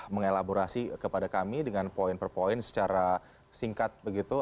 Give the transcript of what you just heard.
sudah mengelaborasi kepada kami dengan point per point secara singkat begitu